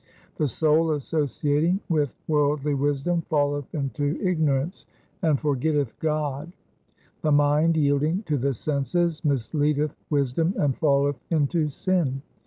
The soul associating with worldly wisdom falleth into ignorance and for LIFE OF GURU HAR GOBIND 231 getteth God. The mind yielding to the senses mis leadeth wisdom and falleth into sin.